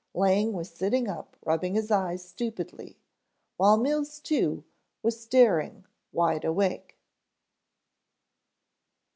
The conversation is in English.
Lang was sitting up rubbing his eyes stupidly, while Mills too was staring wide awake.